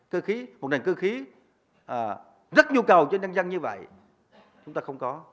cơ khí một nền cơ khí rất nhu cầu cho nhân dân như vậy chúng ta không có